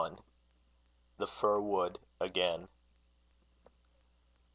THE FIR WOOD AGAIN.